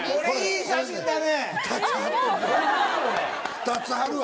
２つ貼るわ。